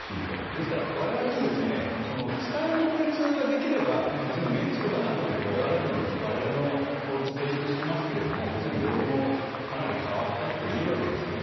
ですから、我々も使える法律ができれば別にメンツとか何とかにこだわらずに我々の法律を提出してますけど条文が変わったっていいわけですね。